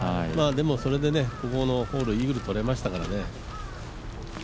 でもそれでここのホールイーグルとれましたからね。